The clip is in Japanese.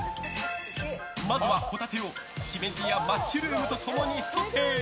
まずはホタテをシメジやマッシュルームと共にソテー。